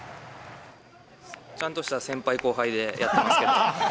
ちゃんとした先輩、後輩でやってますけど。